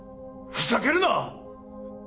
ふざけるな！